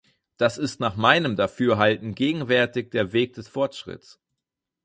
Das ist nach meinem Dafürhalten gegenwärtig der Weg des Fortschritts.